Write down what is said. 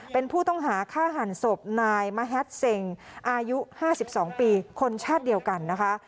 เป็นผู้ต้องหาฆ่าหันศพนายมะแฮทเซ็งอายุ๕๒ปีคนชาติเดียวกันนะคะ